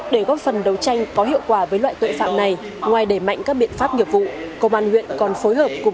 để góp phần đấu tranh có hiệu quả với loại tội phạm này ngoài đẩy mạnh các biện pháp nghiệp vụ